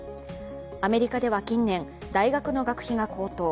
アメリカでは近年、大学の学費が高騰。